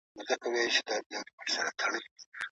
صدقه د روغتیا په برخه کي څنګه ورکول کیږي؟